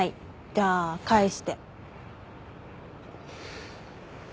じゃあ返して。